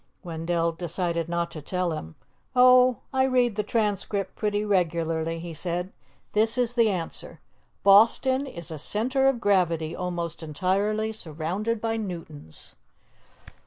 Wendell decided not to tell him. "Oh, I read the Transcript pretty regularly," he said. "This is the answer: 'Boston is a center of gravity almost entirely surrounded by Newtons.